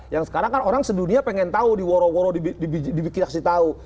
yang sekarang kan orang sedunia pengen tahu diworo woro dibikin saksi tahu